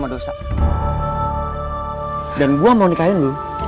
dan gue mau nikahin lo